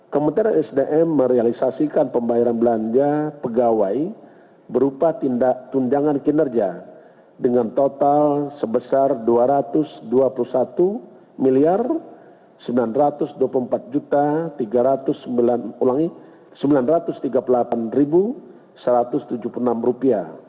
kementerian sdm merealisasikan pembayaran belanja pegawai berupa tindak tunjangan kinerja dengan total sebesar rp dua ratus dua puluh satu sembilan ratus dua puluh empat sembilan ratus tiga puluh delapan satu ratus tujuh puluh enam